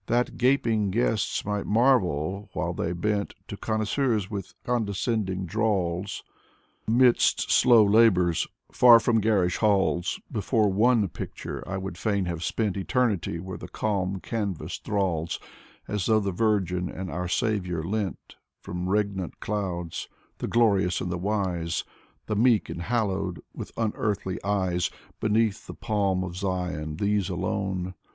That gaping guests might marvel while they bent To connoisseurs with condescending drawls. Amidst slow labors, far from garish halls, Before one picture I would fain have spent Eternity: where the calm canvas thralls As though the Virgin and our Saviour leant From regnant clouds, the Glorious and the Wise, The meek and hallowed, with unearthly eyes, Beneath the palm of Zion, these alone.